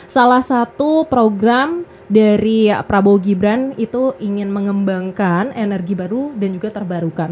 salah satu program dari prabowo gibran itu ingin mengembangkan energi baru dan juga terbarukan